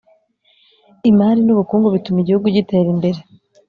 Imari n Ubukungu bituma igihugu gitera imbere